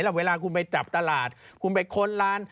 แล้วเวลาคุณไปจับตลาดคุณไปค้นร้าน